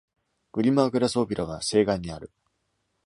Glimmerglass オペラは西岸にある。